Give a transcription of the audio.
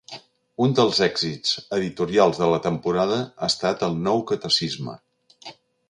Un dels èxits editorials de la temporada ha estat el Nou Catecisme .